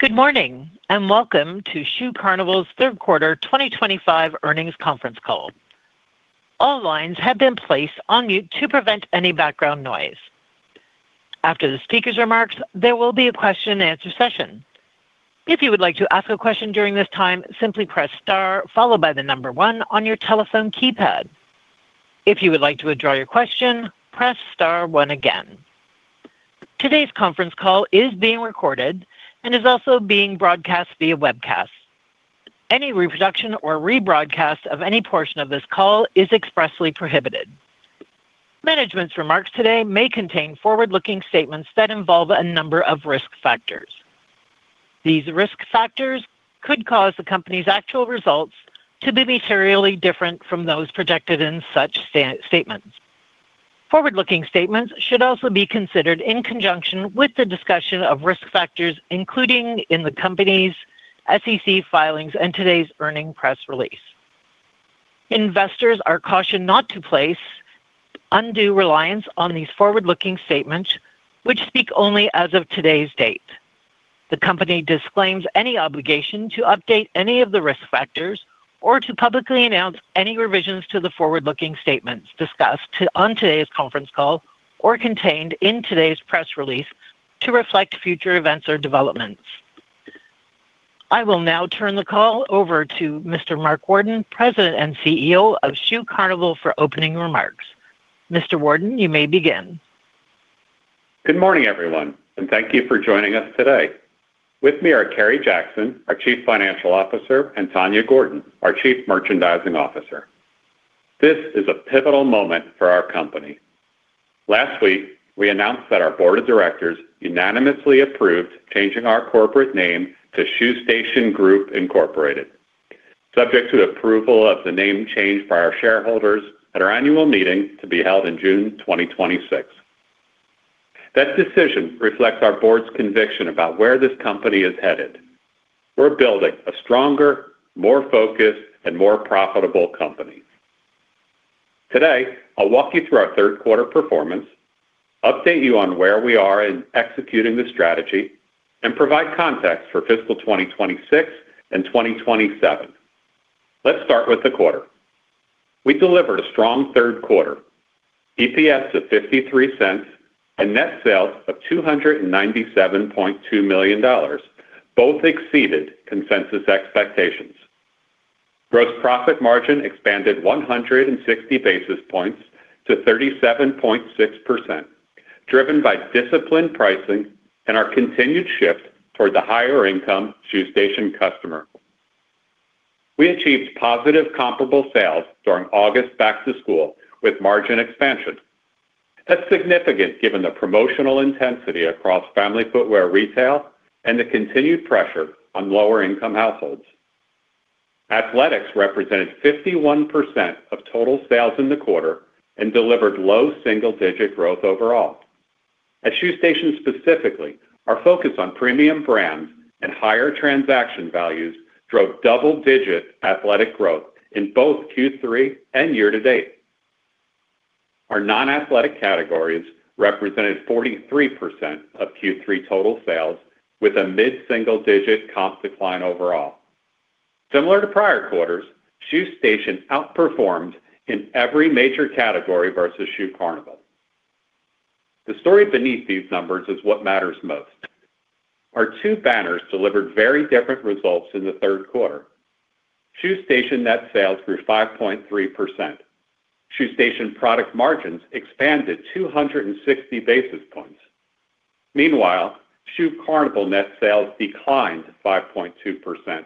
Good morning and welcome to Shoe Carnival's third quarter 2025 earnings conference call. All lines have been placed on mute to prevent any background noise. After the speaker's remarks, there will be a question-and-answer session. If you would like to ask a question during this time, simply press star followed by the number one on your telephone keypad. If you would like to withdraw your question, press star one again. Today's conference call is being recorded and is also being broadcast via webcast. Any reproduction or rebroadcast of any portion of this call is expressly prohibited. Management's remarks today may contain forward-looking statements that involve a number of risk factors. These risk factors could cause the company's actual results to be materially different from those projected in such statements. Forward-looking statements should also be considered in conjunction with the discussion of risk factors, including in the company's SEC filings and today's earnings press release. Investors are cautioned not to place undue reliance on these forward-looking statements, which speak only as of today's date. The company disclaims any obligation to update any of the risk factors or to publicly announce any revisions to the forward-looking statements discussed on today's conference call or contained in today's press release to reflect future events or developments. I will now turn the call over to Mr. Mark Worden, President and CEO of Shoe Carnival for opening remarks. Mr. Worden, you may begin. Good morning, everyone, and thank you for joining us today. With me are Kerry Jackson, our Chief Financial Officer, and Tanya Gordon, our Chief Merchandising Officer. This is a pivotal moment for our company. Last week, we announced that our Board of Directors unanimously approved changing our corporate name to Shoe Station Group, subject to approval of the name change by our shareholders at our annual meeting to be held in June 2026. That decision reflects our board's conviction about where this company is headed. We're building a stronger, more focused, and more profitable company. Today, I'll walk you through our third quarter performance, update you on where we are in executing the strategy, and provide context for fiscal 2026 and 2027. Let's start with the quarter. We delivered a strong third quarter, EPS of $0.53 and net sales of $297.2 million, both exceeded consensus expectations. Gross profit margin expanded 160 basis points to 37.6%, driven by disciplined pricing and our continued shift toward the higher-income Shoe Station customer. We achieved positive comparable sales during August back-to-school with margin expansion. That's significant given the promotional intensity across family footwear retail and the continued pressure on lower-income households. Athletics represented 51% of total sales in the quarter and delivered low single-digit growth overall. At Shoe Station specifically, our focus on premium brands and higher transaction values drove double-digit athletic growth in both Q3 and year-to-date. Our non-athletic categories represented 43% of Q3 total sales, with a mid-single-digit comp decline overall. Similar to prior quarters, Shoe Station outperformed in every major category versus Shoe Carnival. The story beneath these numbers is what matters most. Our two banners delivered very different results in the third quarter. Shoe Station net sales grew 5.3%. Shoe Station product margins expanded 260 basis points. Meanwhile, Shoe Carnival net sales declined 5.2%,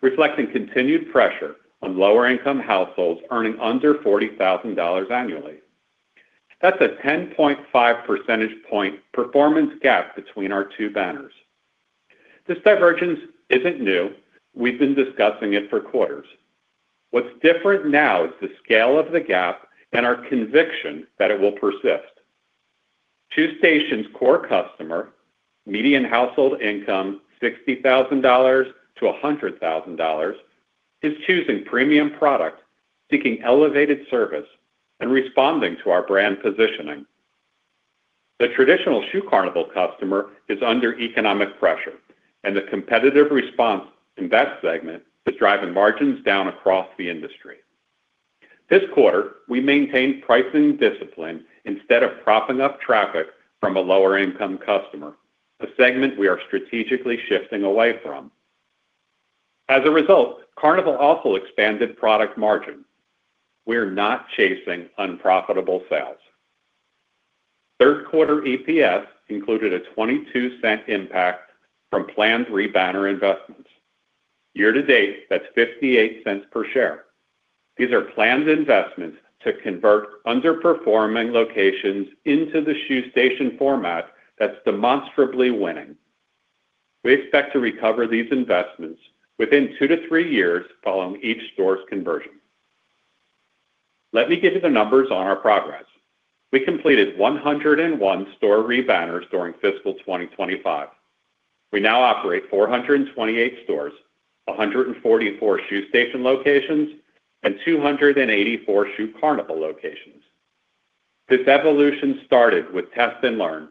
reflecting continued pressure on lower-income households earning under $40,000 annually. That's a 10.5 percentage point performance gap between our two banners. This divergence isn't new. We've been discussing it for quarters. What's different now is the scale of the gap and our conviction that it will persist. Shoe Station's core customer, median household income $60,000-$100,000, is choosing premium product, seeking elevated service, and responding to our brand positioning. The traditional Shoe Carnival customer is under economic pressure, and the competitive response in that segment is driving margins down across the industry. This quarter, we maintained pricing discipline instead of propping up traffic from a lower-income customer, a segment we are strategically shifting away from. As a result, Carnival also expanded product margin. We're not chasing unprofitable sales. Third quarter EPS included a $0.22 impact from planned re-banner investments. Year-to-date, that's $0.58 per share. These are planned investments to convert underperforming locations into the Shoe Station format that's demonstrably winning. We expect to recover these investments within two to three years following each store's conversion. Let me give you the numbers on our progress. We completed 101 store re-banners during fiscal 2025. We now operate 428 stores, 144 Shoe Station locations, and 284 Shoe Carnival locations. This evolution started with test and learn,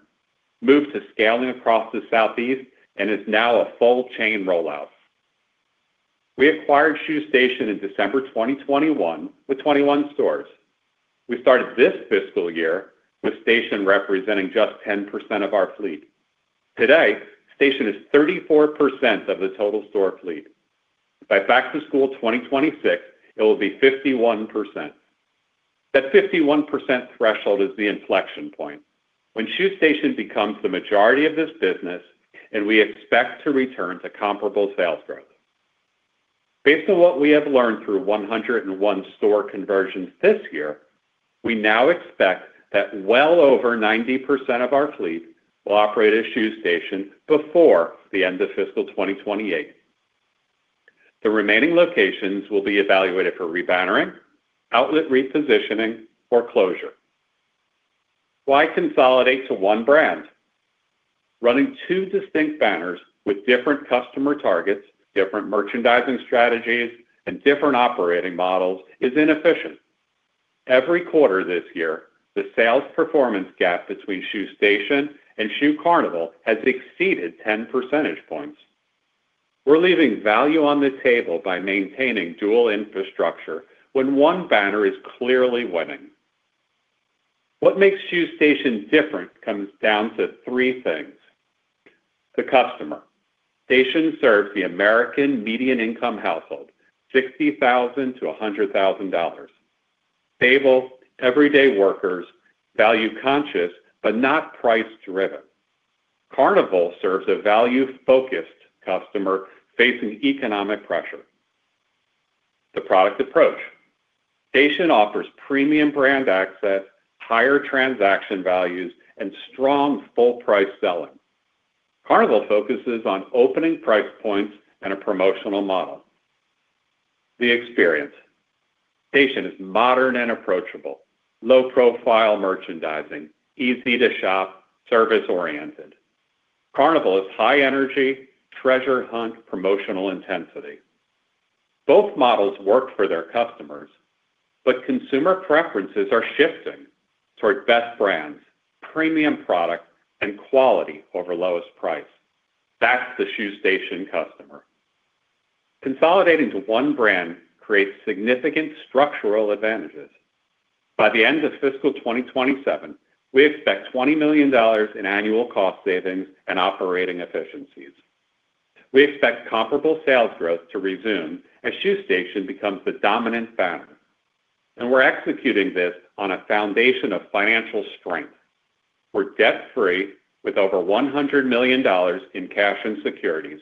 moved to scaling across the Southeast, and is now a full chain rollout. We acquired Shoe Station in December 2021 with 21 stores. We started this fiscal year with Station representing just 10% of our fleet. Today, Station is 34% of the total store fleet. By back-to-school 2026, it will be 51%. That 51% threshold is the inflection point when Shoe Station becomes the majority of this business, and we expect to return to comparable sales growth. Based on what we have learned through 101 store conversions this year, we now expect that well over 90% of our fleet will operate as Shoe Station before the end of fiscal 2028. The remaining locations will be evaluated for re-bannering, outlet repositioning, or closure. Why consolidate to one brand? Running two distinct banners with different customer targets, different merchandising strategies, and different operating models is inefficient. Every quarter this year, the sales performance gap between Shoe Station and Shoe Carnival has exceeded 10 percentage points. We're leaving value on the table by maintaining dual infrastructure when one banner is clearly winning. What makes Shoe Station different comes down to three things: the customer. Station serves the American median income household, $60,000-$100,000. Stable, everyday workers, value-conscious but not price-driven. Carnival serves a value-focused customer facing economic pressure. The product approach. Station offers premium brand access, higher transaction values, and strong full-price selling. Carnival focuses on opening price points and a promotional model. The experience. Station is modern and approachable, low-profile merchandising, easy to shop, service-oriented. Carnival is high energy, treasure hunt, promotional intensity. Both models work for their customers, but consumer preferences are shifting toward best brands, premium product, and quality over lowest price. That's the Shoe Station customer. Consolidating to one brand creates significant structural advantages. By the end of fiscal 2027, we expect $20 million in annual cost savings and operating efficiencies. We expect comparable sales growth to resume as Shoe Station becomes the dominant banner. We are executing this on a foundation of financial strength. We're debt-free with over $100 million in cash and securities,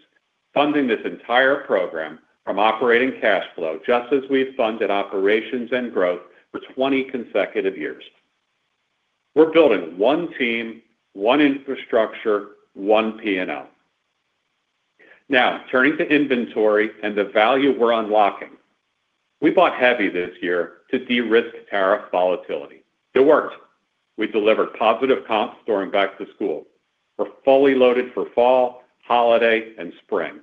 funding this entire program from operating cash flow just as we've funded operations and growth for 20 consecutive years. We're building one team, one infrastructure, one P&L. Now, turning to inventory and the value we're unlocking. We bought heavy this year to de-risk tariff volatility. It worked. We delivered positive comps during back-to-school. We're fully loaded for fall, holiday, and spring.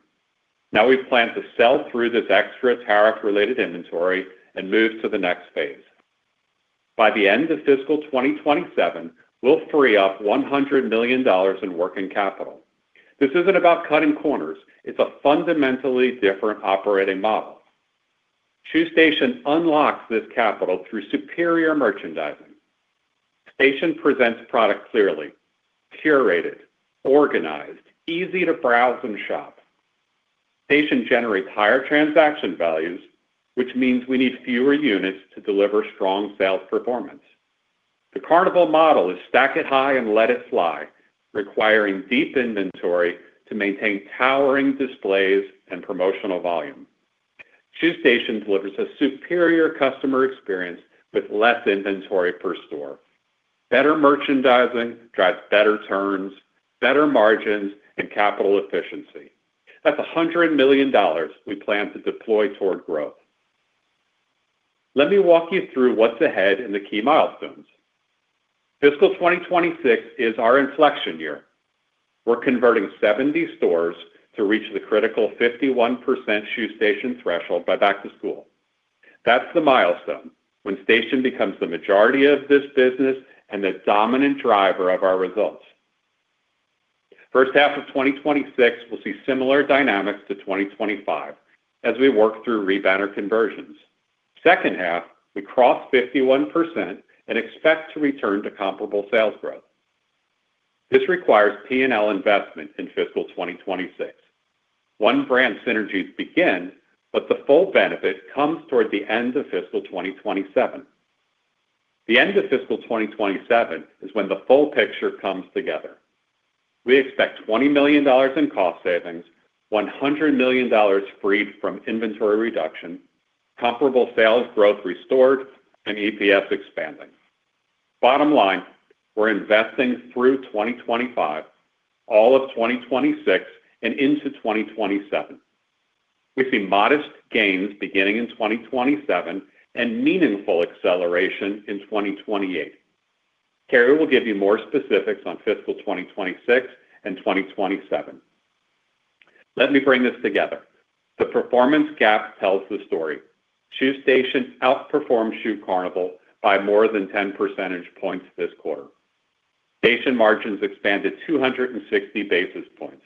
Now we plan to sell through this extra tariff-related inventory and move to the next phase. By the end of fiscal 2027, we'll free up $100 million in working capital. This isn't about cutting corners. It's a fundamentally different operating model. Shoe Station unlocks this capital through superior merchandising. Station presents product clearly, curated, organized, easy to browse and shop. Station generates higher transaction values, which means we need fewer units to deliver strong sales performance. The Carnival model is stack it high and let it fly, requiring deep inventory to maintain towering displays and promotional volume. Shoe Station delivers a superior customer experience with less inventory per store. Better merchandising drives better turns, better margins, and capital efficiency. That's $100 million we plan to deploy toward growth. Let me walk you through what's ahead in the key milestones. Fiscal 2026 is our inflection year. We're converting 70 stores to reach the critical 51% Shoe Station threshold by back-to-school. That's the milestone when Station becomes the majority of this business and the dominant driver of our results. First half of 2026 will see similar dynamics to 2025 as we work through re-banner conversions. Second half, we cross 51% and expect to return to comparable sales growth. This requires P&L investment in fiscal 2026. One-brand synergies begin, but the full benefit comes toward the end of fiscal 2027. The end of fiscal 2027 is when the full picture comes together. We expect $20 million in cost savings, $100 million freed from inventory reduction, comparable sales growth restored, and EPS expanding. Bottom line, we're investing through 2025, all of 2026, and into 2027. We see modest gains beginning in 2027 and meaningful acceleration in 2028. Kerry will give you more specifics on fiscal 2026 and 2027. Let me bring this together. The performance gap tells the story. Shoe Station outperformed Shoe Carnival by more than 10 percentage points this quarter. Station margins expanded 260 basis points.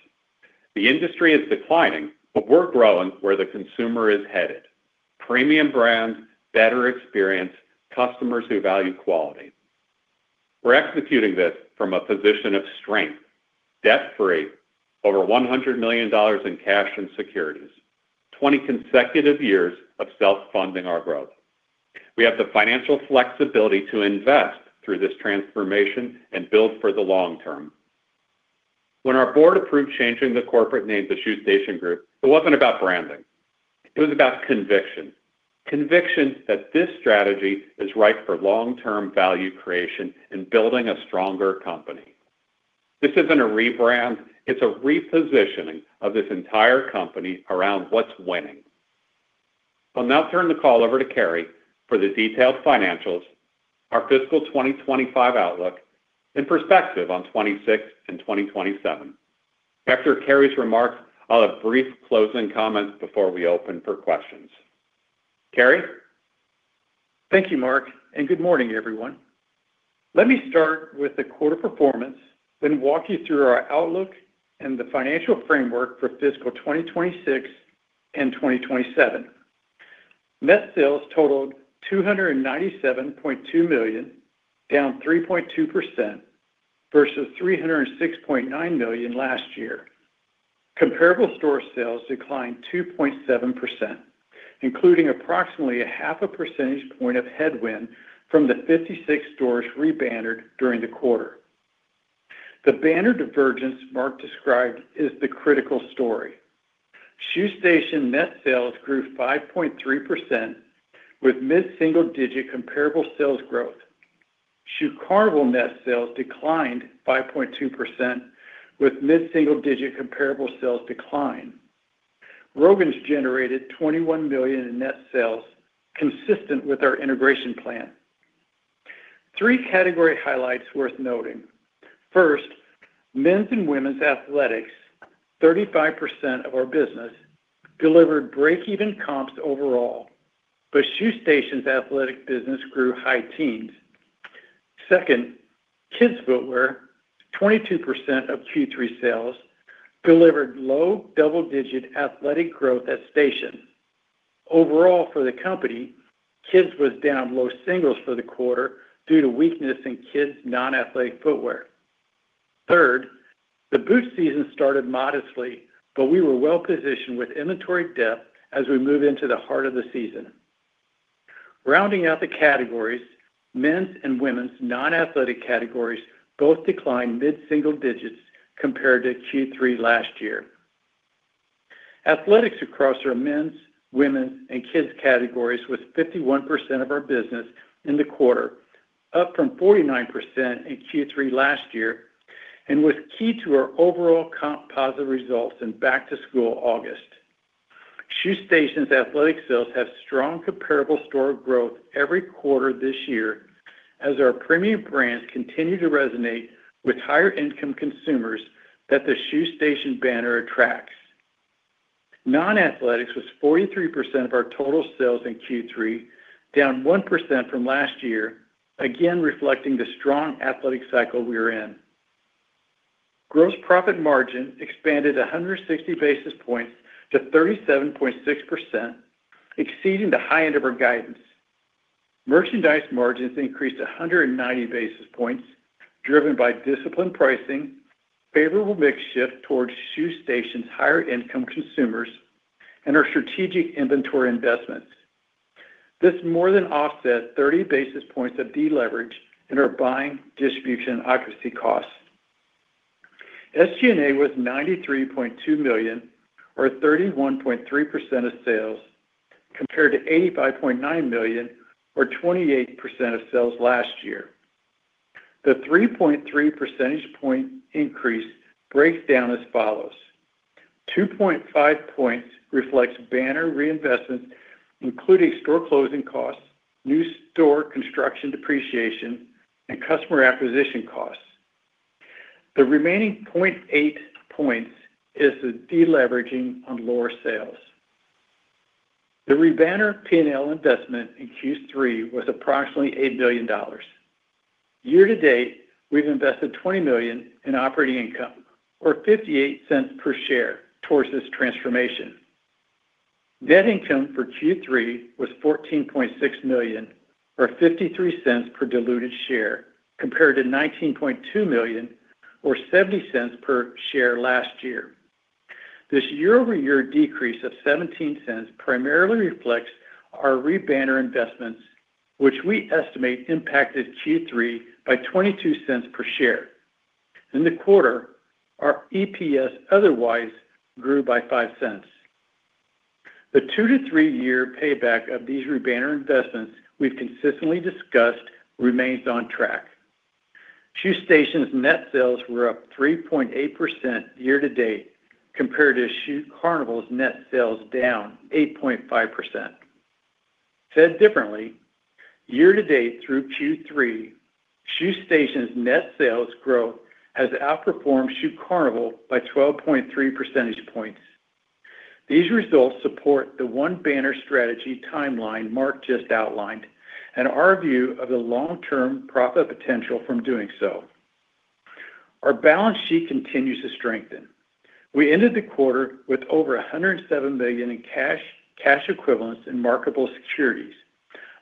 The industry is declining, but we're growing where the consumer is headed. Premium brands, better experience, customers who value quality. We're executing this from a position of strength, debt-free, over $100 million in cash and securities, 20 consecutive years of self-funding our growth. We have the financial flexibility to invest through this transformation and build for the long term. When our board approved changing the corporate name to Shoe Station Group, it wasn't about branding. It was about conviction. Conviction that this strategy is right for long-term value creation and building a stronger company. This isn't a rebrand. It's a repositioning of this entire company around what's winning. I'll now turn the call over to Kerry for the detailed financials, our fiscal 2025 outlook, and perspective on 2026 and 2027. After Kerry's remarks, I'll have brief closing comments before we open for questions. Kerry? Thank you, Mark, and good morning, everyone. Let me start with the quarter performance, then walk you through our outlook and the financial framework for fiscal 2026 and 2027. Net sales totaled $297.2 million, down 3.2% versus $306.9 million last year. Comparable store sales declined 2.7%, including approximately a half a percentage point of headwind from the 56 stores re-bannered during the quarter. The banner divergence Mark described is the critical story. Shoe Station net sales grew 5.3% with mid-single-digit comparable sales growth. Shoe Carnival net sales declined 5.2% with mid-single-digit comparable sales decline. Rogan's generated $21 million in net sales, consistent with our integration plan. Three category highlights worth noting. First, men's and women's athletics, 35% of our business, delivered break-even comps overall, but Shoe Station's athletic business grew high teens. Second, kids' footwear, 22% of Q3 sales, delivered low double-digit athletic growth at Station. Overall, for the company, kids was down low singles for the quarter due to weakness in kids' non-athletic footwear. Third, the boot season started modestly, but we were well-positioned with inventory dip as we move into the heart of the season. Rounding out the categories, men's and women's non-athletic categories both declined mid-single digits compared to Q3 last year. Athletics across our men's, women's, and kids' categories was 51% of our business in the quarter, up from 49% in Q3 last year, and was key to our overall comp positive results in back-to-school August. Shoe Station's athletic sales have strong comparable store growth every quarter this year as our premium brands continue to resonate with higher-income consumers that the Shoe Station banner attracts. Non-athletics was 43% of our total sales in Q3, down 1% from last year, again reflecting the strong athletic cycle we are in. Gross profit margin expanded 160 basis points to 37.6%, exceeding the high end of our guidance. Merchandise margins increased 190 basis points, driven by disciplined pricing, favorable mix shift towards Shoe Station's higher-income consumers, and our strategic inventory investments. This more than offsets 30 basis points of deleverage in our buying, distribution, and occupancy costs. SG&A was $93.2 million, or 31.3% of sales, compared to $85.9 million, or 28% of sales last year. The 3.3 percentage point increase breaks down as follows. 2.5 points reflects banner reinvestments, including store closing costs, new store construction depreciation, and customer acquisition costs. The remaining 0.8 points is the deleveraging on lower sales. The re-banner P&L investment in Q3 was approximately $8 million. Year to date, we've invested $20 million in operating income, or $0.58 per share towards this transformation. Net income for Q3 was $14.6 million, or $0.53 per diluted share, compared to $19.2 million, or $0.70 per share last year. This year-over-year decrease of $0.17 primarily reflects our re-banner investments, which we estimate impacted Q3 by $0.22 per share. In the quarter, our EPS otherwise grew by $0.05. The two- to three-year payback of these re-banner investments we have consistently discussed remains on track. Shoe Station's net sales were up 3.8% year to date, compared to Shoe Carnival's net sales down 8.5%. Said differently, year to date through Q3, Shoe Station's net sales growth has outperformed Shoe Carnival by 12.3 percentage points. These results support the one-banner strategy timeline Mark just outlined and our view of the long-term profit potential from doing so. Our balance sheet continues to strengthen. We ended the quarter with over $107 million in cash equivalents in marketable securities,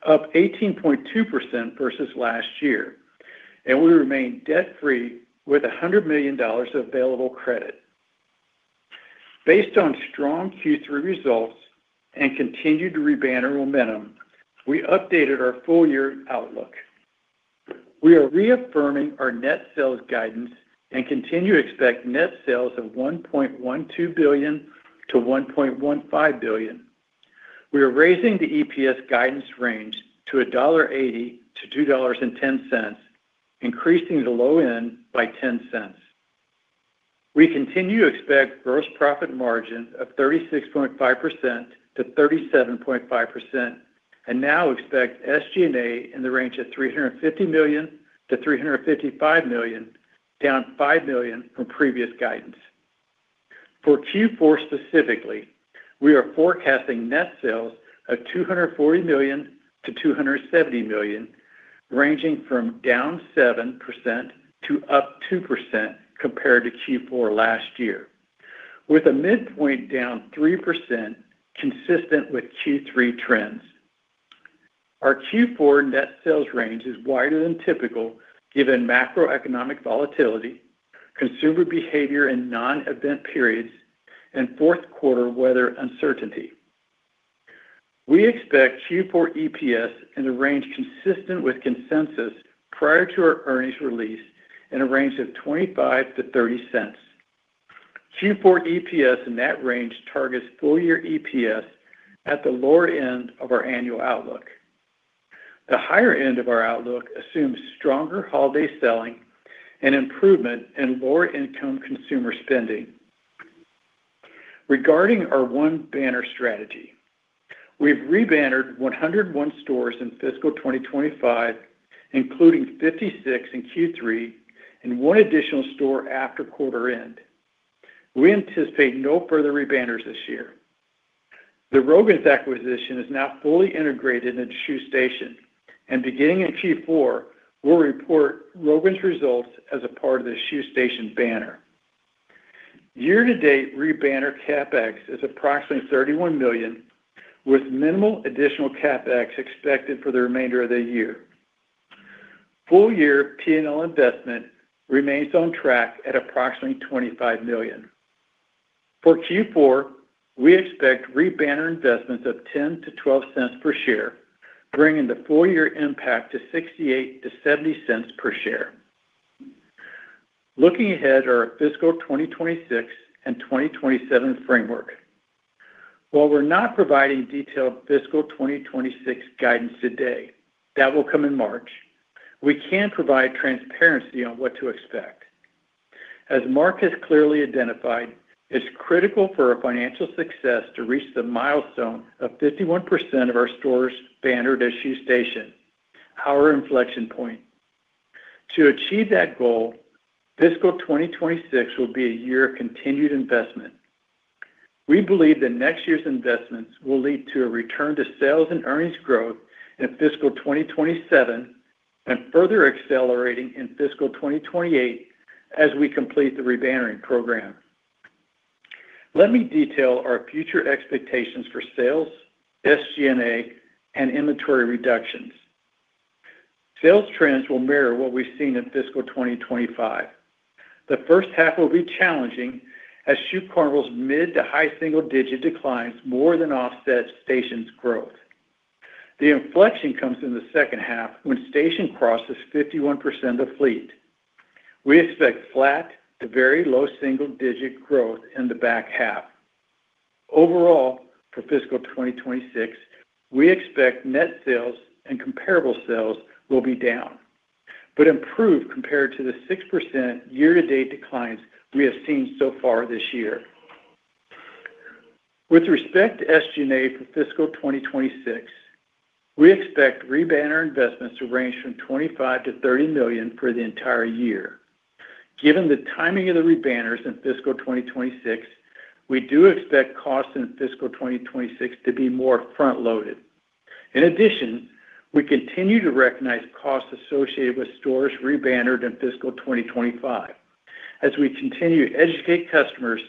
up 18.2% versus last year, and we remain debt-free with $100 million available credit. Based on strong Q3 results and continued re-banner momentum, we updated our full-year outlook. We are reaffirming our net sales guidance and continue to expect net sales of $1.12 billion-$1.15 billion. We are raising the EPS guidance range to $1.80-$2.10, increasing the low end by $0.10. We continue to expect gross profit margin of 36.5%-37.5% and now expect SG&A in the range of $350 million-$355 million, down $5 million from previous guidance. For Q4 specifically, we are forecasting net sales of $240 million-$270 million, ranging from down 7% to up 2% compared to Q4 last year, with a midpoint down 3% consistent with Q3 trends. Our Q4 net sales range is wider than typical given macroeconomic volatility, consumer behavior in non-event periods, and fourth quarter weather uncertainty. We expect Q4 EPS in the range consistent with consensus prior to our earnings release in a range of $0.25-$0.30. Q4 EPS in that range targets full-year EPS at the lower end of our annual outlook. The higher end of our outlook assumes stronger holiday selling and improvement in lower-income consumer spending. Regarding our one-banner strategy, we've re-bannered 101 stores in fiscal 2025, including 56 in Q3 and one additional store after quarter end. We anticipate no further re-banners this year. The Rogan's acquisition is now fully integrated into Shoe Station, and beginning in Q4, we'll report Rogan's results as a part of the Shoe Station banner. Year-to-date re-banner CapEx is approximately $31 million, with minimal additional CapEx expected for the remainder of the year. Full-year P&L investment remains on track at approximately $25 million. For Q4, we expect re-banner investments of $0.10-$0.12 per share, bringing the full-year impact to $0.68-$0.70 per share. Looking ahead at our fiscal 2026 and 2027 framework, while we're not providing detailed fiscal 2026 guidance today—that will come in March—we can provide transparency on what to expect. As Mark has clearly identified, it's critical for our financial success to reach the milestone of 51% of our stores bannered at Shoe Station, our inflection point. To achieve that goal, fiscal 2026 will be a year of continued investment. We believe that next year's investments will lead to a return to sales and earnings growth in fiscal 2027 and further accelerating in fiscal 2028 as we complete the re-bannering program. Let me detail our future expectations for sales, SG&A, and inventory reductions. Sales trends will mirror what we've seen in fiscal 2025. The first half will be challenging as Shoe Carnival's mid to high single-digit declines more than offsets Station's growth. The inflection comes in the second half when Station crosses 51% of fleet. We expect flat to very low single-digit growth in the back half. Overall, for fiscal 2026, we expect net sales and comparable sales will be down, but improve compared to the 6% year-to-date declines we have seen so far this year. With respect to SG&A for fiscal 2026, we expect re-banner investments to range from $25 million-$30 million for the entire year. Given the timing of the re-banners in fiscal 2026, we do expect costs in fiscal 2026 to be more front-loaded. In addition, we continue to recognize costs associated with stores re-bannered in fiscal 2025 as we continue to educate customers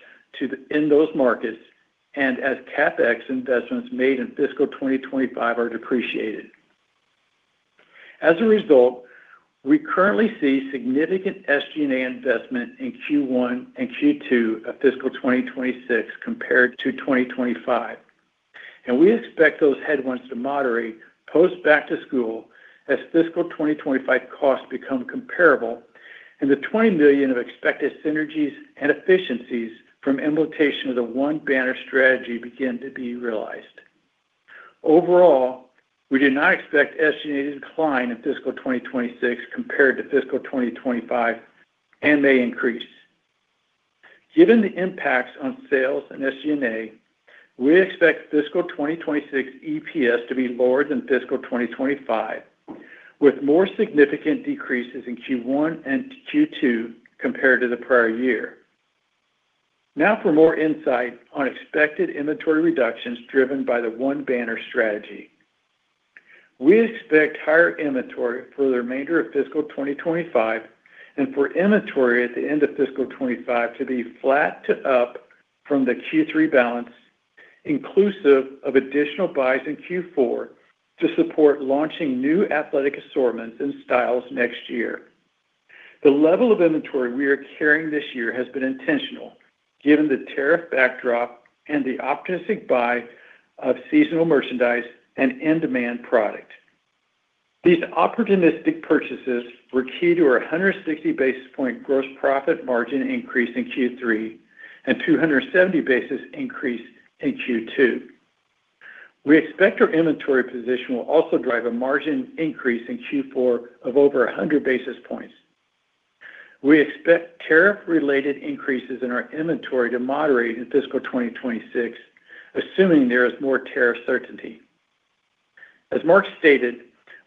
in those markets and as CapEx investments made in fiscal 2025 are depreciated. As a result, we currently see significant SG&A investment in Q1 and Q2 of fiscal 2026 compared to 2025, and we expect those headwinds to moderate post back-to-school as fiscal 2025 costs become comparable and the $20 million of expected synergies and efficiencies from implementation of the one-banner strategy begin to be realized. Overall, we do not expect SG&A to decline in fiscal 2026 compared to fiscal 2025 and may increase. Given the impacts on sales and SG&A, we expect fiscal 2026 EPS to be lower than fiscal 2025, with more significant decreases in Q1 and Q2 compared to the prior year. Now for more insight on expected inventory reductions driven by the one-banner strategy. We expect higher inventory for the remainder of fiscal 2025 and for inventory at the end of fiscal 2025 to be flat to up from the Q3 balance, inclusive of additional buys in Q4 to support launching new athletic assortments and styles next year. The level of inventory we are carrying this year has been intentional, given the tariff backdrop and the optimistic buy of seasonal merchandise and in-demand product. These opportunistic purchases were key to our 160 basis point gross profit margin increase in Q3 and 270 basis point increase in Q2. We expect our inventory position will also drive a margin increase in Q4 of over 100 basis points. We expect tariff-related increases in our inventory to moderate in fiscal 2026, assuming there is more tariff certainty. As Mark stated,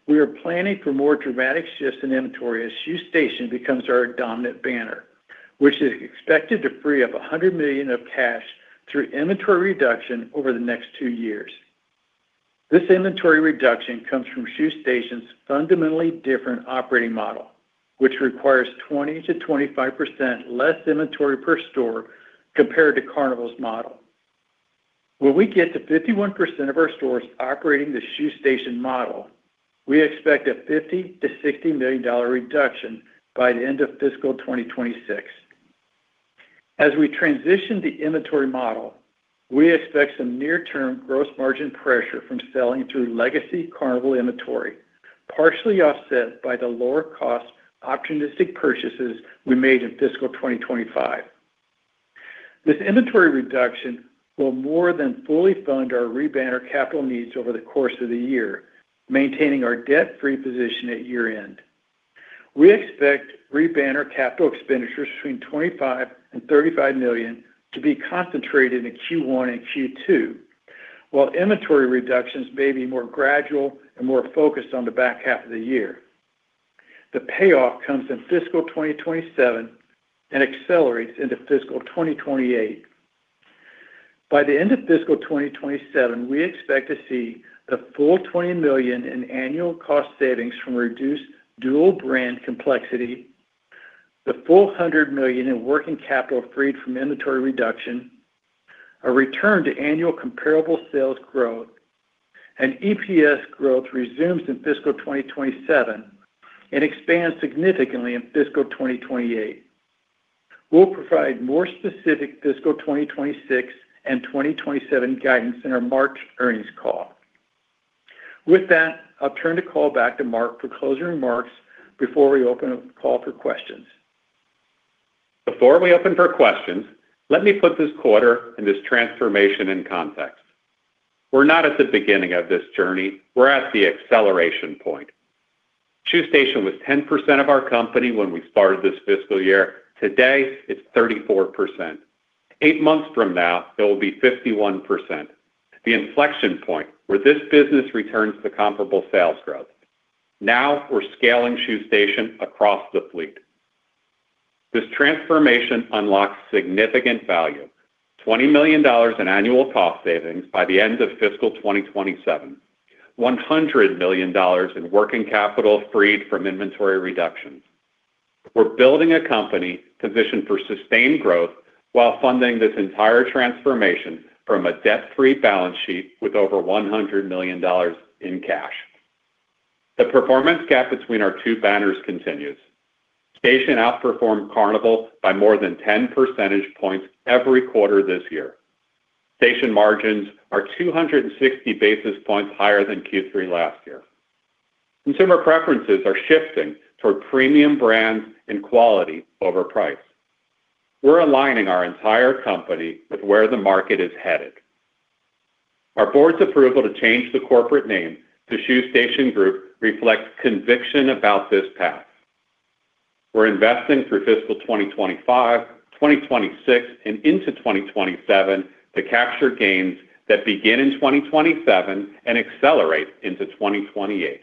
we are planning for more dramatic shifts in inventory as Shoe Station becomes our dominant banner, which is expected to free up $100 million of cash through inventory reduction over the next two years. This inventory reduction comes from Shoe Station's fundamentally different operating model, which requires 20%-25% less inventory per store compared to Carnival's model. When we get to 51% of our stores operating the Shoe Station model, we expect a $50 million-$60 million reduction by the end of fiscal 2026. As we transition the inventory model, we expect some near-term gross margin pressure from selling through legacy Carnival inventory, partially offset by the lower-cost opportunistic purchases we made in fiscal 2025. This inventory reduction will more than fully fund our re-banner capital needs over the course of the year, maintaining our debt-free position at year-end. We expect re-banner capital expenditures between $25 million and $35 million to be concentrated in Q1 and Q2, while inventory reductions may be more gradual and more focused on the back half of the year. The payoff comes in fiscal 2027 and accelerates into fiscal 2028. By the end of fiscal 2027, we expect to see the full $20 million in annual cost savings from reduced dual-brand complexity, the full $100 million in working capital freed from inventory reduction, a return to annual comparable sales growth, and EPS growth resumes in fiscal 2027 and expands significantly in fiscal 2028. We'll provide more specific fiscal 2026 and 2027 guidance in our March earnings call. With that, I'll turn the call back to Mark for closing remarks before we open a call for questions. Before we open for questions, let me put this quarter and this transformation in context. We're not at the beginning of this journey. We're at the acceleration point. Shoe Station was 10% of our company when we started this fiscal year. Today, it's 34%. Eight months from now, it will be 51%, the inflection point where this business returns to comparable sales growth. Now we're scaling Shoe Station across the fleet. This transformation unlocks significant value: $20 million in annual cost savings by the end of fiscal 2027, $100 million in working capital freed from inventory reductions. We're building a company positioned for sustained growth while funding this entire transformation from a debt-free balance sheet with over $100 million in cash. The performance gap between our two banners continues. Station outperformed Carnival by more than 10 percentage points every quarter this year. Station margins are 260 basis points higher than Q3 last year. Consumer preferences are shifting toward premium brands and quality over price. We're aligning our entire company with where the market is headed. Our board's approval to change the corporate name to Shoe Station Group reflects conviction about this path. We're investing through fiscal 2025, 2026, and into 2027 to capture gains that begin in 2027 and accelerate into 2028.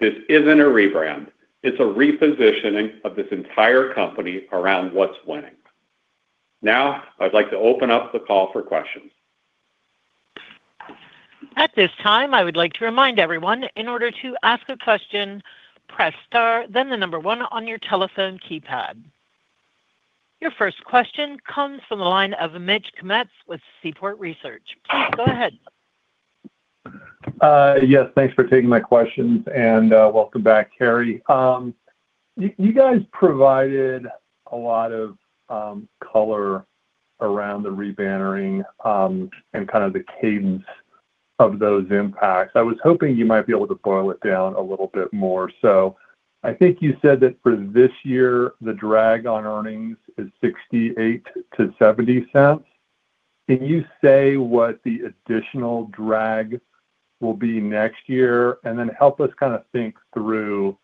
This isn't a rebrand. It's a repositioning of this entire company around what's winning. Now, I'd like to open up the call for questions. At this time, I would like to remind everyone, in order to ask a question, press star, then the number one on your telephone keypad. Your first question comes from the line of Mitch Kummetz with Seaport Research. Please go ahead. Yes, thanks for taking my questions. And welcome back, Kerry. You guys provided a lot of color around the re-bannering and kind of the cadence of those impacts. I was hoping you might be able to boil it down a little bit more. I think you said that for this year, the drag on earnings is $0.68 to $0.70. Can you say what the additional drag will be next year? Then help us kind of think through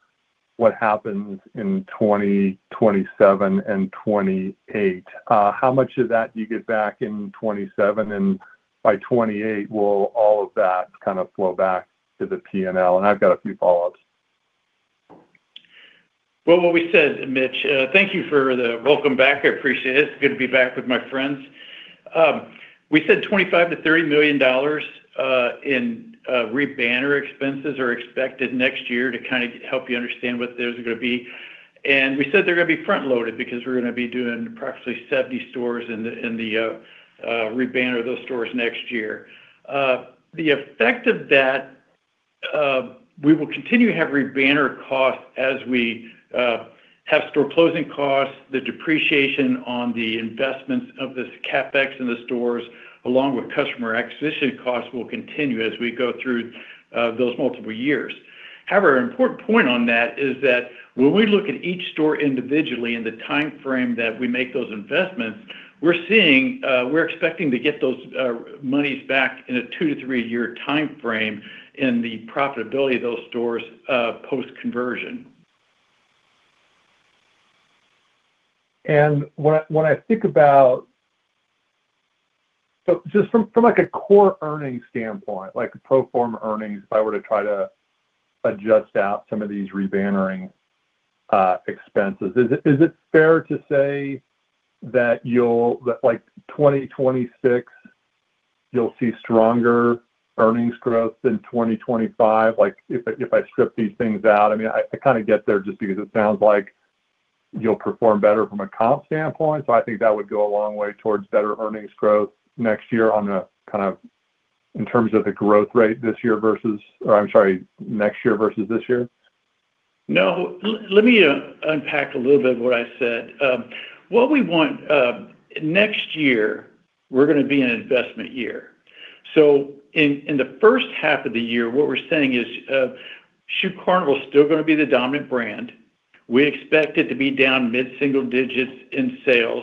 what happens in 2027 and 2028. How much of that do you get back in 2027? By 2028, will all of that kind of flow back to the P&L? I've got a few follow-ups. What we said, Mitch, thank you for the welcome back. I appreciate it. It's good to be back with my friends. We said $25 million-$30 million in re-banner expenses are expected next year to kind of help you understand what those are going to be. We said they're going to be front-loaded because we're going to be doing approximately 70 stores in the re-banner of those stores next year. The effect of that, we will continue to have re-banner costs as we have store closing costs. The depreciation on the investments of this CapEx in the stores, along with customer acquisition costs, will continue as we go through those multiple years. However, an important point on that is that when we look at each store individually in the timeframe that we make those investments, we're expecting to get those monies back in a two to three-year timeframe in the profitability of those stores post-conversion. When I think about, just from a core earnings standpoint, like pro forma earnings, if I were to try to adjust out some of these re-bannering expenses, is it fair to say that 2026, you'll see stronger earnings growth than 2025? If I strip these things out, I mean, I kind of get there just because it sounds like you'll perform better from a comp standpoint. I think that would go a long way towards better earnings growth next year, in terms of the growth rate next year versus this year. Let me unpack a little bit of what I said. What we want next year, we're going to be in an investment year. In the first half of the year, what we're saying is Shoe Carnival is still going to be the dominant brand. We expect it to be down mid-single digits in sales.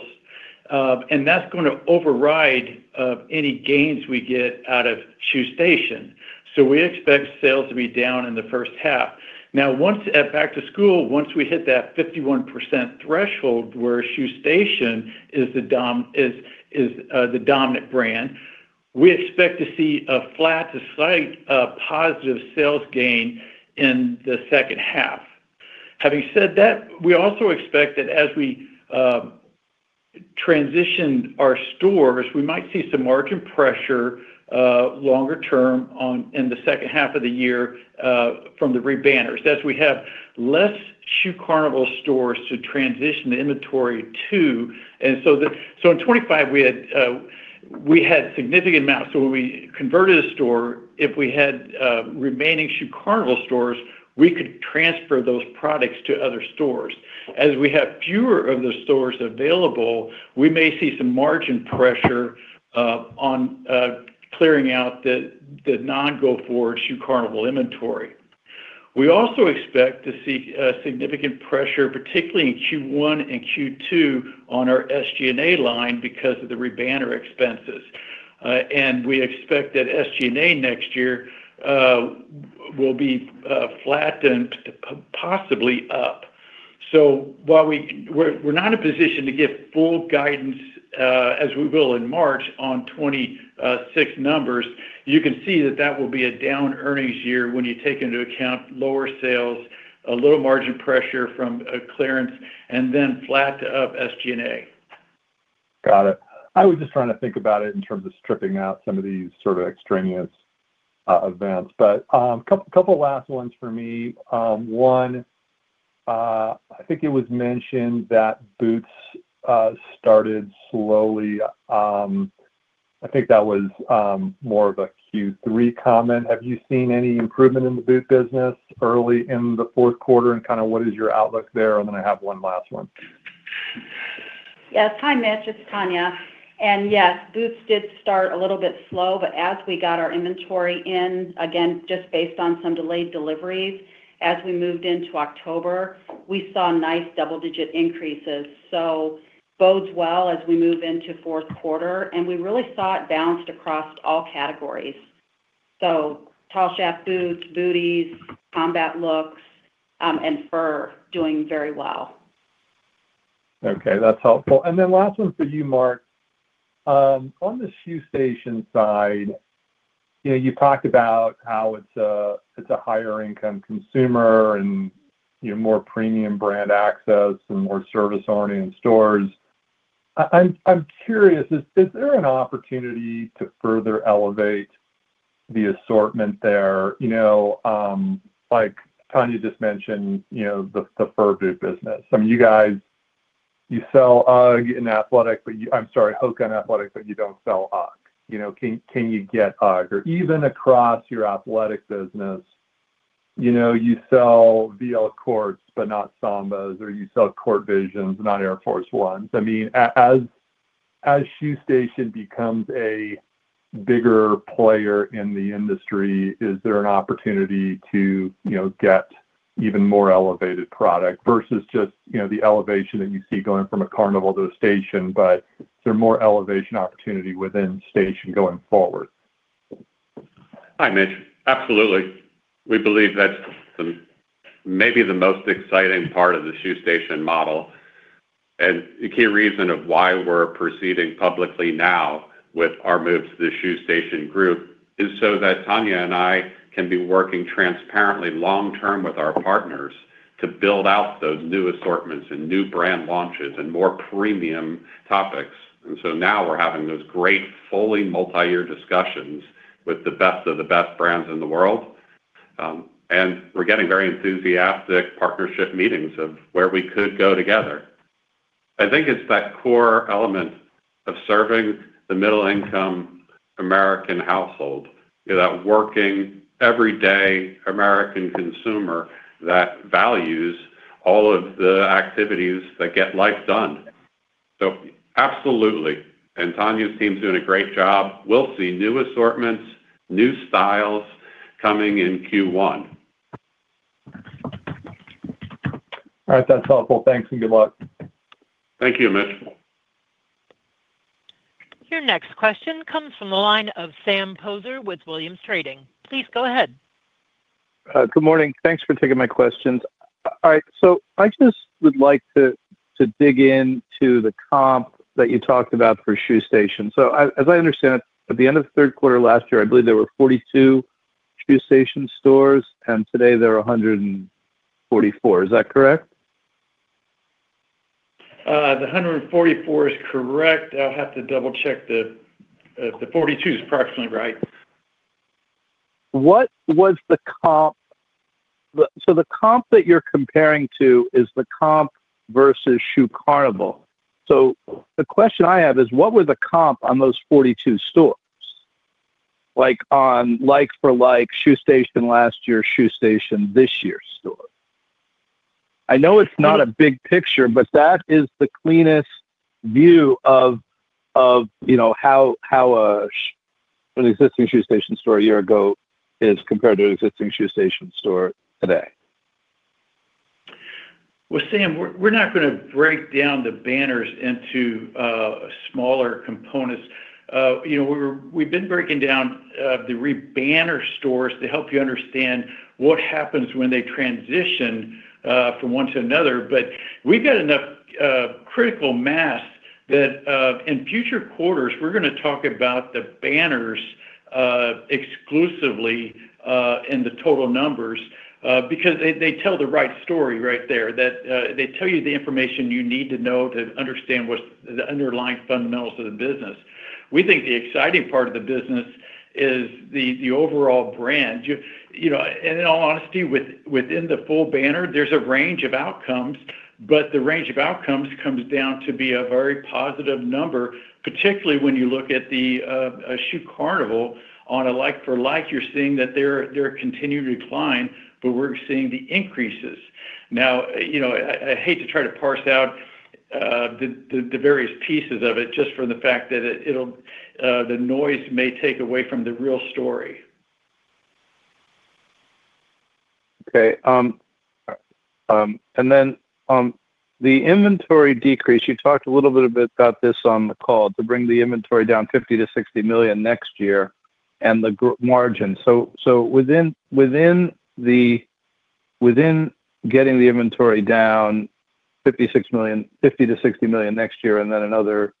That is going to override any gains we get out of Shoe Station. We expect sales to be down in the first half. Now, back to school, once we hit that 51% threshold where Shoe Station is the dominant brand, we expect to see a flat to slight positive sales gain in the second half. Having said that, we also expect that as we transition our stores, we might see some margin pressure longer term in the second half of the year from the re-banners as we have fewer Shoe Carnival stores to transition the inventory to. In 2025, we had significant amounts. When we converted a store, if we had remaining Shoe Carnival stores, we could transfer those products to other stores. As we have fewer of those stores available, we may see some margin pressure on clearing out the non-GoForward Shoe Carnival inventory. We also expect to see significant pressure, particularly in Q1 and Q2 on our SG&A line because of the re-banner expenses. We expect that SG&A next year will be flat and possibly up. While we're not in a position to give full guidance as we will in March on 2026 numbers, you can see that that will be a down earnings year when you take into account lower sales, a little margin pressure from clearance, and then flat to up SG&A. Got it. I was just trying to think about it in terms of stripping out some of these sort of extraneous events. A couple of last ones for me. One, I think it was mentioned that boots started slowly. I think that was more of a Q3 comment. Have you seen any improvement in the boot business early in the fourth quarter? What is your outlook there? I have one last one. Yes, hi, Mitch. It's Tanya. Yes, boots did start a little bit slow, but as we got our inventory in, again, just based on some delayed deliveries, as we moved into October, we saw nice double-digit increases. This bodes well as we move into fourth quarter. We really saw it bounce across all categories. Tall shaft boots, booties, combat looks, and fur doing very well. Okay, that's helpful. Last one for you, Mark. On the Shoe Station side, you talked about how it's a higher-income consumer and more premium brand access and more service-oriented stores. I'm curious, is there an opportunity to further elevate the assortment there? Tanya just mentioned the fur boot business. I mean, you sell UGG and athletic, but I'm sorry, HOKA and athletic, but you don't sell UGG. Can you get UGG? Or even across your athletic business, you sell VL Courts, but not Sambas, or you sell Court Visions, not Air Force Ones. I mean, as Shoe Station becomes a bigger player in the industry, is there an opportunity to get even more elevated product versus just the elevation that you see going from a Carnival to a Station, but is there more elevation opportunity within Station going forward? Hi, Mitch. Absolutely. We believe that's maybe the most exciting part of the Shoe Station model. The key reason of why we're proceeding publicly now with our move to the Shoe Station Group is so that Tanya and I can be working transparently long-term with our partners to build out those new assortments and new brand launches and more premium topics. Now we're having those great fully multi-year discussions with the best of the best brands in the world. We're getting very enthusiastic partnership meetings of where we could go together. I think it's that core element of serving the middle-income American household, that working everyday American consumer that values all of the activities that get life done. Absolutely. Tanya's team's doing a great job. We'll see new assortments, new styles coming in Q1. All right, that's helpful. Thanks and good luck. Thank you, Mitch. Your next question comes from the line of Sam Poser with Williams Trading. Please go ahead. Good morning. Thanks for taking my questions. All right. I just would like to dig into the comp that you talked about for Shoe Station. As I understand it, at the end of the third quarter last year, I believe there were 42 Shoe Station stores, and today there are 144. Is that correct? The 144 is correct. I'll have to double-check the 42 is approximately right. What was the comp? The comp that you're comparing to is the comp versus Shoe Carnival. The question I have is, what was the comp on those 42 stores? Like for like Shoe Station last year, Shoe Station this year's store. I know it's not a big picture, but that is the cleanest view of how an existing Shoe Station store a year ago is compared to an existing Shoe Station store today. Sam, we're not going to break down the banners into smaller components. We've been breaking down the re-banner stores to help you understand what happens when they transition from one to another. We've got enough critical mass that in future quarters, we're going to talk about the banners exclusively in the total numbers because they tell the right story right there. They tell you the information you need to know to understand what's the underlying fundamentals of the business. We think the exciting part of the business is the overall brand. In all honesty, within the full banner, there's a range of outcomes, but the range of outcomes comes down to be a very positive number, particularly when you look at the Shoe Carnival on a like-for-like. You're seeing that there are continued declines, but we're seeing the increases. Now, I hate to try to parse out the various pieces of it just for the fact that the noise may take away from the real story. Okay. The inventory decrease, you talked a little bit about this on the call, to bring the inventory down $50 million-$60 million next year and the margin. Within getting the inventory down $50 million-$60 million next year and then another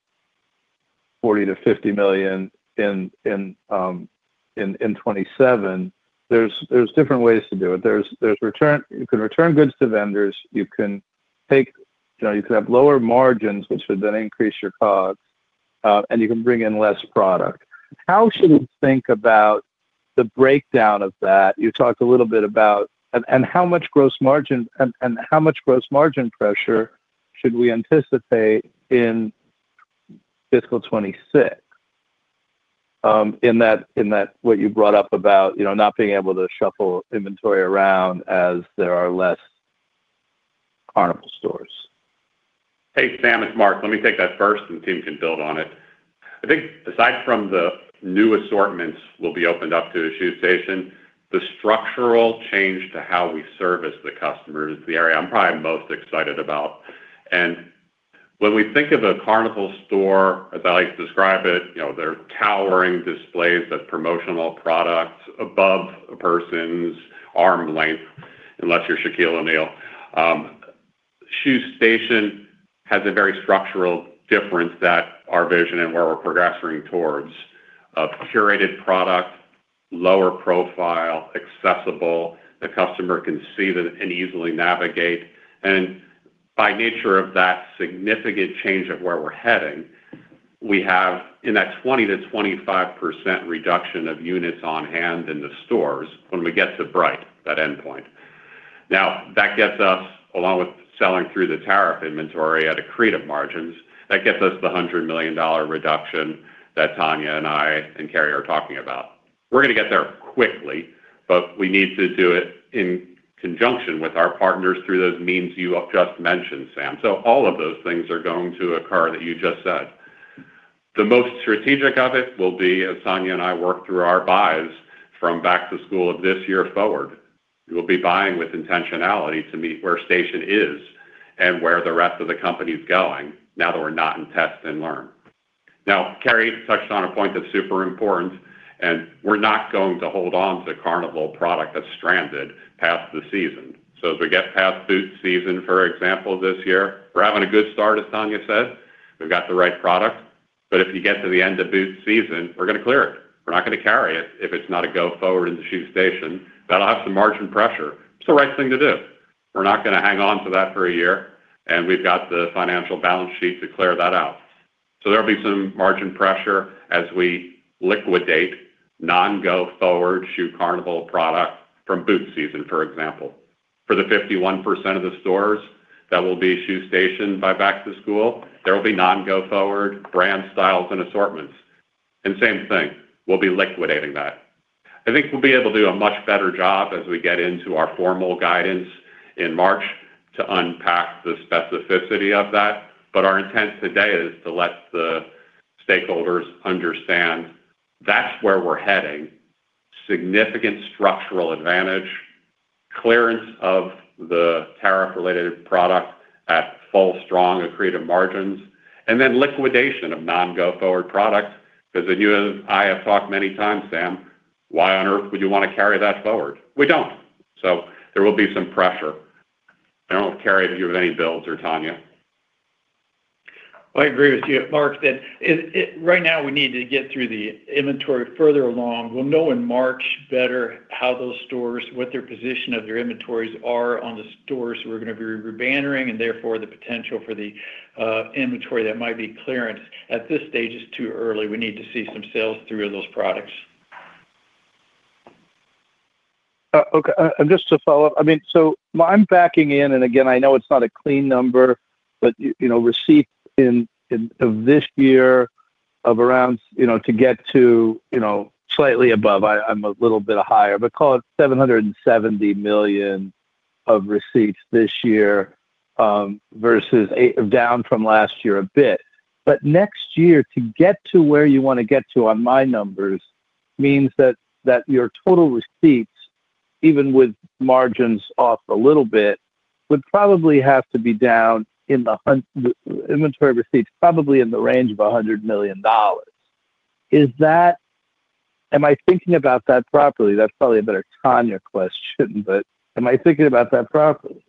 $40 million-$50 million in 2027, there are different ways to do it. You can return goods to vendors. You can have lower margins, which would then increase your costs, and you can bring in less product. How should we think about the breakdown of that? You talked a little bit about how much gross margin and how much gross margin pressure should we anticipate in fiscal 2026? In that, what you brought up about not being able to shuffle inventory around as there are less Carnival stores. Hey, Sam, it's Mark. Let me take that first and Tim can build on it. I think aside from the new assortments we'll be opened up to Shoe Station, the structural change to how we service the customer is the area I'm probably most excited about. When we think of a Carnival store, as I like to describe it, there are towering displays of promotional products above a person's arm length, unless you're Shaquille O'Neal. Shoe Station has a very structural difference that our vision and where we're progressing towards: curated product, lower profile, accessible. The customer can see and easily navigate. By nature of that significant change of where we're heading, we have in that 20-25% reduction of units on hand in the stores when we get to, right, that endpoint. That gets us, along with selling through the tariff inventory at accretive margins, that gets us the $100 million reduction that Tanya and I and Kerry are talking about. We're going to get there quickly, but we need to do it in conjunction with our partners through those means you just mentioned, Sam. All of those things are going to occur that you just said. The most strategic of it will be as Tanya and I work through our buys from back to school of this year forward. We'll be buying with intentionality to meet where Station is and where the rest of the company is going now that we're not in test and learn. Kerry touched on a point that's super important, and we're not going to hold on to Carnival product that's stranded past the season. As we get past boot season, for example, this year, we're having a good start, as Tanya said. We've got the right product. If you get to the end of boot season, we're going to clear it. We're not going to carry it if it's not a GoForward in the Shoe Station. That'll have some margin pressure. It's the right thing to do. We're not going to hang on to that for a year, and we've got the financial balance sheet to clear that out. There will be some margin pressure as we liquidate non-GoForward Shoe Carnival product from boot season, for example. For the 51% of the stores that will be Shoe Station by back to school, there will be non-GoForward brand styles and assortments. Same thing, we will be liquidating that. I think we will be able to do a much better job as we get into our formal guidance in March to unpack the specificity of that. Our intent today is to let the stakeholders understand that is where we are heading: significant structural advantage, clearance of the tariff-related product at full, strong, accretive margins, and then liquidation of non-GoForward product. Because I have talked many times, Sam, why on earth would you want to carry that forward? We do not. There will be some pressure. I do not know if Kerry had any builds or Tanya. I agree with you, Mark. Right now, we need to get through the inventory further along. We'll know in March better how those stores, what their position of their inventories are on the stores we're going to be rebannering, and therefore the potential for the inventory that might be clearance at this stage is too early. We need to see some sales through those products. Okay. Just to follow up, I mean, so I'm backing in, and again, I know it's not a clean number, but receipts of this year of around to get to slightly above, I'm a little bit higher, but call it $770 million of receipts this year versus down from last year a bit. Next year, to get to where you want to get to on my numbers means that your total receipts, even with margins off a little bit, would probably have to be down in the inventory receipts probably in the range of $100 million. Am I thinking about that properly? That's probably a better Tanya question, but am I thinking about that properly?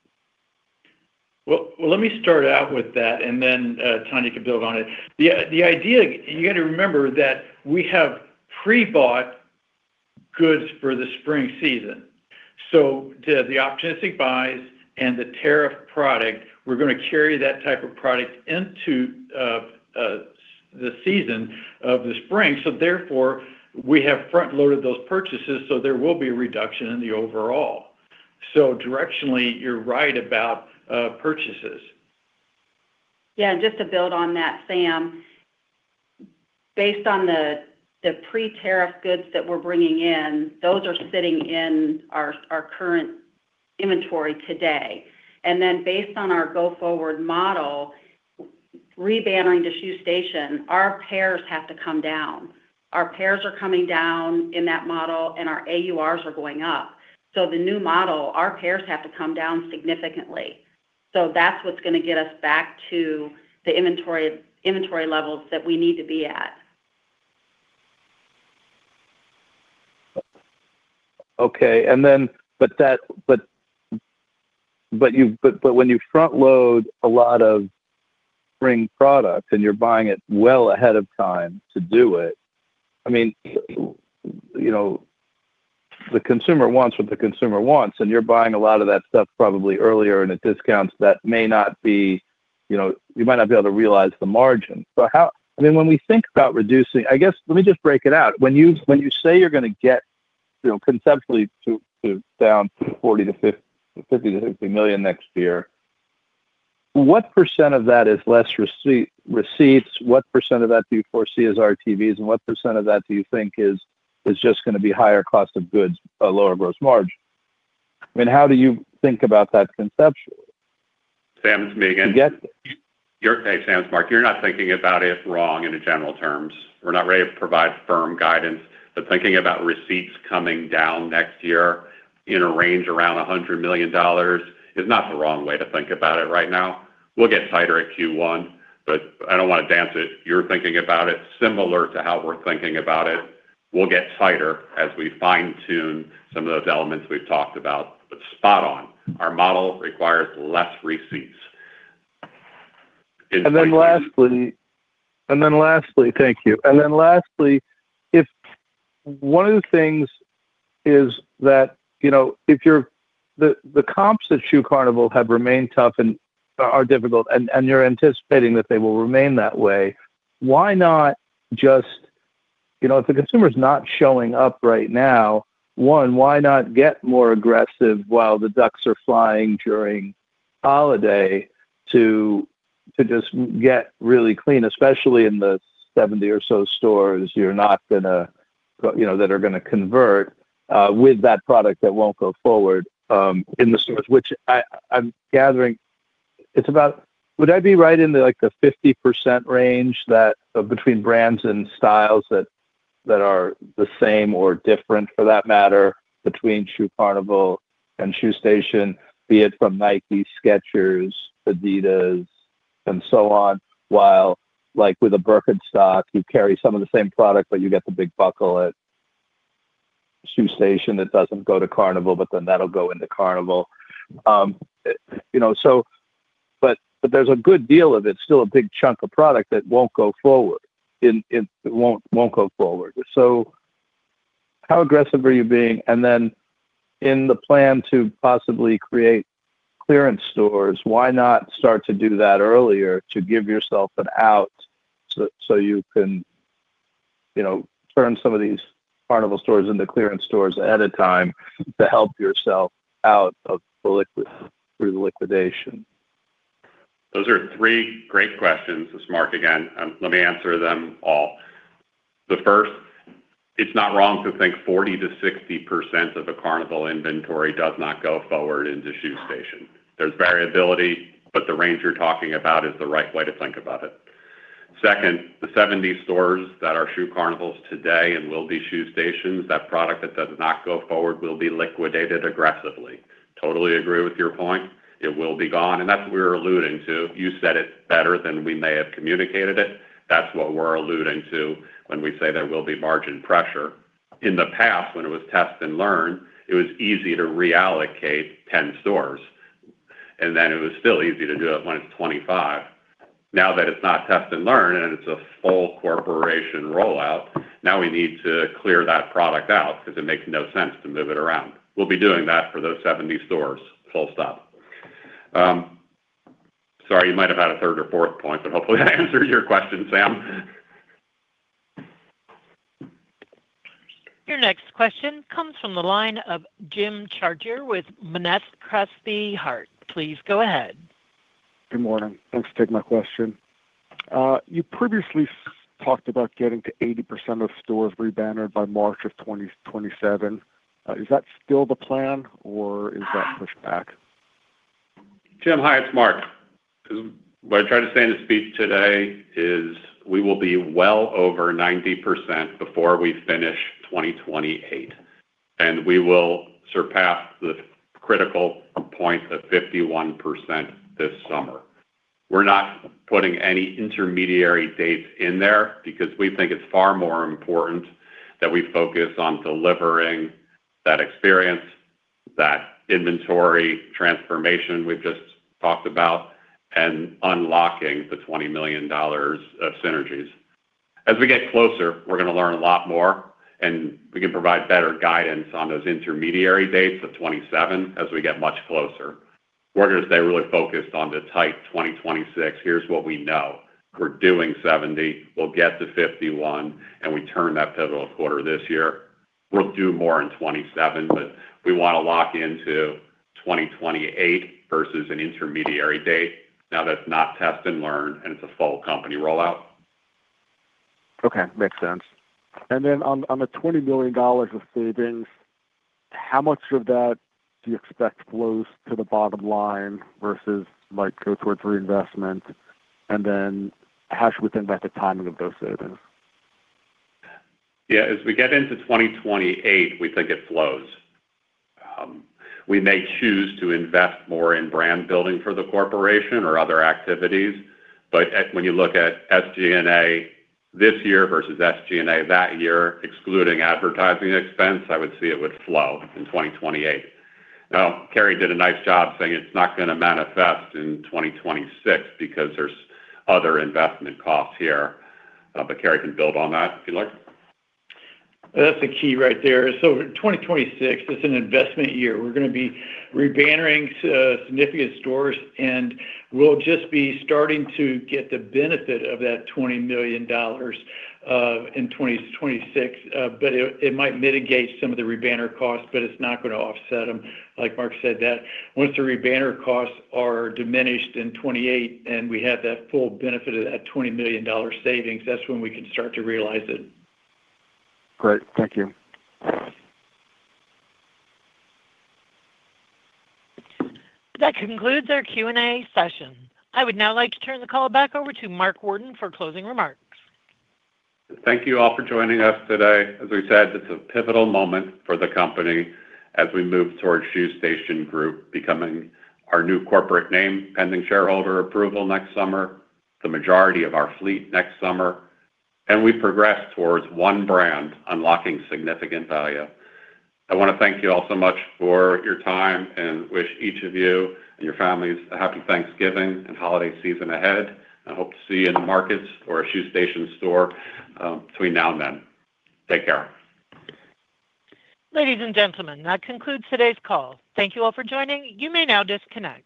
Let me start out with that, and then Tanya can build on it. The idea, you got to remember that we have pre-bought goods for the spring season. The optimistic buys and the tariff product, we're going to carry that type of product into the season of the spring. Therefore, we have front-loaded those purchases, so there will be a reduction in the overall. Directionally, you're right about purchases. Yeah. Just to build on that, Sam, based on the pre-tariff goods that we are bringing in, those are sitting in our current inventory today. Based on our GoForward model, rebannering to Shoe Station, our pairs have to come down. Our pairs are coming down in that model, and our AURs are going up. The new model, our pairs have to come down significantly. That is what is going to get us back to the inventory levels that we need to be at. Okay. When you front-load a lot of spring product and you are buying it well ahead of time to do it, I mean, the consumer wants what the consumer wants, and you are buying a lot of that stuff probably earlier in a discount that may not be, you might not be able to realize the margin. I mean, when we think about reducing, I guess let me just break it out. When you say you're going to get conceptually down to $50 million-$60 million next year, what percent of that is less receipts? What percent of that do you foresee as RTVs? And what percent of that do you think is just going to be higher cost of goods, a lower gross margin? I mean, how do you think about that conceptually? Sam, it's me again. Hey, Sam, it's Mark. You're not thinking about it wrong in the general terms. We're not ready to provide firm guidance. Thinking about receipts coming down next year in a range around $100 million is not the wrong way to think about it right now. We'll get tighter at Q1, but I don't want to dance it. You're thinking about it similar to how we're thinking about it. We'll get tighter as we fine-tune some of those elements we've talked about. Spot on. Our model requires less receipts. And then lastly, thank you. Lastly, if one of the things is that if the comps at Shoe Carnival have remained tough and are difficult, and you're anticipating that they will remain that way, why not just if the consumer is not showing up right now, one, why not get more aggressive while the ducks are flying during holiday to just get really clean, especially in the 70 or so stores you're not going to that are going to convert with that product that won't go forward in the stores, which I'm gathering it's about would I be right in the 50% range between brands and styles that are the same or different for that matter between Shoe Carnival and Shoe Station, be it from Nike, Skechers, Adidas, and so on, while with a Birkenstock, you carry some of the same product, but you get the big buckle at Shoe Station that doesn't go to Carnival, but then that'll go into Carnival. There is a good deal of it, still a big chunk of product that will not go forward. It will not go forward. How aggressive are you being? In the plan to possibly create clearance stores, why not start to do that earlier to give yourself an out so you can turn some of these Carnival stores into clearance stores ahead of time to help yourself out through the liquidation? Those are three great questions, Ms. Mark. Again, let me answer them all. The first, it is not wrong to think 40%-60% of a Carnival inventory does not go forward into Shoe Station. There is variability, but the range you are talking about is the right way to think about it. Second, the 70 stores that are Shoe Carnivals today and will be Shoe Stations, that product that does not go forward will be liquidated aggressively. Totally agree with your point. It will be gone. That is what we were alluding to. You said it better than we may have communicated it. That is what we are alluding to when we say there will be margin pressure. In the past, when it was test and learn, it was easy to reallocate 10 stores. Then it was still easy to do it when it is 25. Now that it is not test and learn and it is a full corporation rollout, now we need to clear that product out because it makes no sense to move it around. We will be doing that for those 70 stores. Full stop. Sorry, you might have had a third or fourth point, but hopefully that answered your question, Sam. Your next question comes from the line of Jim Chartier with Monness Crespi Hardt. Please go ahead. Good morning. Thanks for taking my question. You previously talked about getting to 80% of stores rebannered by March of 2027. Is that still the plan, or is that pushed back? Jim, hi. It's Mark. What I tried to say in the speech today is we will be well over 90% before we finish 2028. We will surpass the critical point of 51% this summer. We're not putting any intermediary dates in there because we think it's far more important that we focus on delivering that experience, that inventory transformation we've just talked about, and unlocking the $20 million of synergies. As we get closer, we're going to learn a lot more, and we can provide better guidance on those intermediary dates of 2027 as we get much closer. We're going to stay really focused on the tight 2026. Here's what we know. We're doing 70. We'll get to 51, and we turn that pivotal quarter this year. We'll do more in 27, but we want to lock into 2028 versus an intermediary date now that's not test and learn and it's a full company rollout. Okay. Makes sense. Then on the $20 million of savings, how much of that do you expect flows to the bottom line versus go towards reinvestment and then hash within about the timing of those savings? Yeah. As we get into 2028, we think it flows. We may choose to invest more in brand building for the corporation or other activities. When you look at SG&A this year versus SG&A that year, excluding advertising expense, I would see it would flow in 2028. Kerry did a nice job saying it's not going to manifest in 2026 because there's other investment costs here. Kerry can build on that if you'd like. That's a key right there. 2026 is an investment year. We're going to be rebannering significant stores, and we'll just be starting to get the benefit of that $20 million in 2026. It might mitigate some of the rebanner costs, but it's not going to offset them. Like Mark said, once the rebanner costs are diminished in 2028 and we have that full benefit of that $20 million savings, that's when we can start to realize it. Great. Thank you. That concludes our Q&A session. I would now like to turn the call back over to Mark Worden for closing remarks. Thank you all for joining us today. As we said, it's a pivotal moment for the company as we move towards Shoe Station Group becoming our new corporate name, pending shareholder approval next summer, the majority of our fleet next summer, and we progress towards one brand unlocking significant value. I want to thank you all so much for your time and wish each of you and your families a happy Thanksgiving and holiday season ahead. I hope to see you in the markets or a Shoe Station store between now and then. Take care. Ladies and gentlemen, that concludes today's call. Thank you all for joining. You may now disconnect.